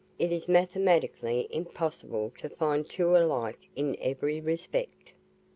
It is mathematically impossible to find two alike in every respect."